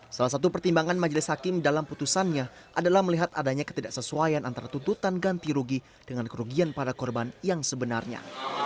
salah satu pertimbangan majelis hakim dalam putusannya adalah melihat adanya ketidaksesuaian antara tuntutan ganti rugi dengan kerugian para korban yang sebenarnya